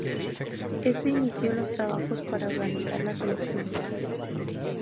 Este inició los trabajos para organizar las elecciones.